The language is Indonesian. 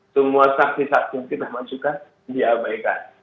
semua saksi saksi yang kita masukkan diabaikan